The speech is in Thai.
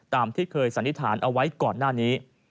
ที่เคยสันนิษฐานเอาไว้ก่อนหน้านี้